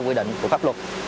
quy định của pháp luật